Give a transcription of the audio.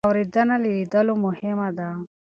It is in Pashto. اورېدنه له لیدلو مهمه ده.